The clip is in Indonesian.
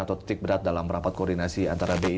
atau titik berat dalam rapat koordinasi antara bi